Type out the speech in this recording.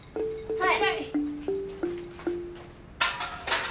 はい。